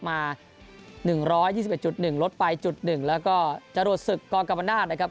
มา๑๒๑๑ลดไปจุด๑แล้วก็จรวดศึกกรกรรมนาศนะครับ